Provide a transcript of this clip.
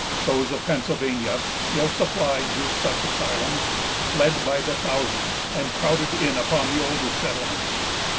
Those of Pennsylvania, ill supplied with such asylums, fled by thousands, and crowded in upon the older settlements.